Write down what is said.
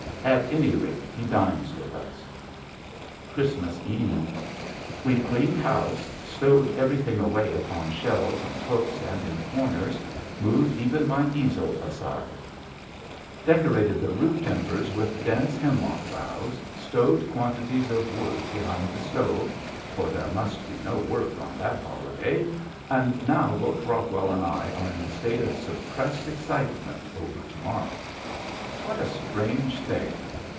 At any rate he dines with us. Christmas Eve! We've cleaned house, stowed everything away upon shelves and hooks and in corners, moved even my easel aside; decorated the roof timbers with dense hemlock boughs, stowed quantities of wood behind the stove for there must be no work on that holiday and now both Rockwell and I are in a state of suppressed excitement over to morrow. What a strange thing!